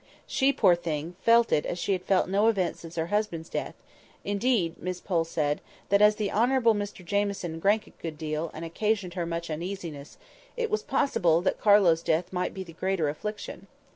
She, poor thing, felt it as she had felt no event since her husband's death; indeed, Miss Pole said, that as the Honourable Mr Jamieson drank a good deal, and occasioned her much uneasiness, it was possible that Carlo's death might be the greater affliction.